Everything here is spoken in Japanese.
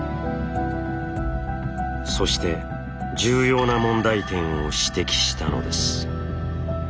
そして重要な問題点を指摘したのです。